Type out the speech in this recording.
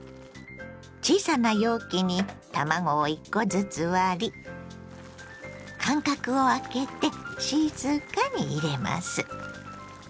小さな容器に卵を１コずつ割り間隔をあけて静かに入れます。